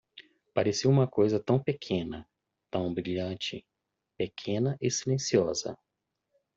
Parecia uma coisa tão pequena, tão brilhante, pequena e silenciosa.